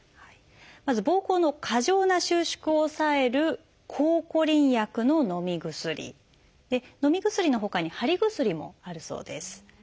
まずぼうこうの過剰な収縮を抑える抗コリン薬ののみ薬。のみ薬のほかに貼り薬もあるそうです。